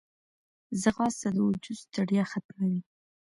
ځغاسته د وجود ستړیا ختموي